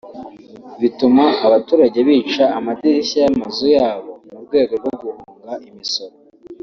bituma abaturage bica amadirishya y’amazu yabo mu rwego rwo guhunga imisoro